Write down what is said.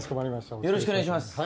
よろしくお願いします。